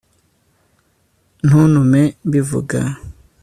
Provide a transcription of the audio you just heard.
ntuntume mbivuga